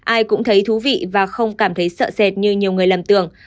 ai cũng thấy thú vị và không cảm thấy sợ sệt như nhiều người lầm tưởng